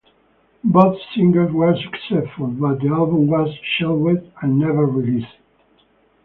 Both singles were successful, but the album was shelved and never released.